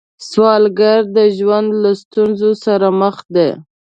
سوالګر د ژوند له ستونزو سره مخ دی